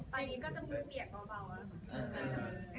ไปนี้ก็จะมุ่งเหมียกเบา